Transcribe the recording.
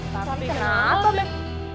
tapi kenapa bek